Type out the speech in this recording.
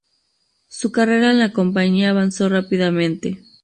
Su carrera en la Compañía avanzó rápidamente.